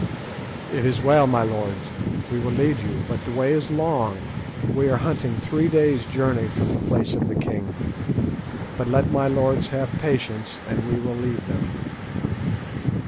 "It is well, my lords, we will lead you; but the way is long. We are hunting three days' journey from the place of the king. But let my lords have patience, and we will lead them."